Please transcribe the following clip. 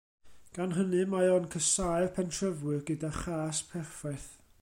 Gan hynny mae o'n casáu'r pentrefwyr gyda chas perffaith.